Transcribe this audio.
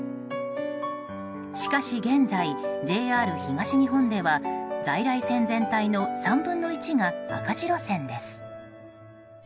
しかし現在、ＪＲ東日本では在来線全体の３分の１が赤字路線です。